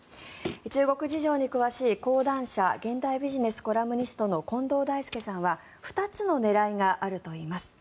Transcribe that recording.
中国事情に詳しい講談社現代ビジネスコラムニストの近藤大介さんは２つの狙いがあるといいます。